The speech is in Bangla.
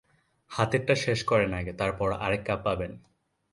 হাতেরটা শেষ করেন আগে তারপর আরেক কাপ পাবেন।